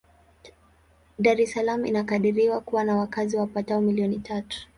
Dar es Salaam inakadiriwa kuwa na wakazi wapatao milioni tatu.